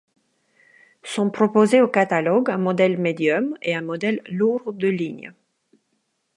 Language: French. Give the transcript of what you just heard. Sont proposés au catalogue un modèle médium et un modèle lourd de ligne.